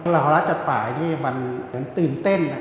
ราวราชจัดปลายนี่มันเหมือนตื่นเต้น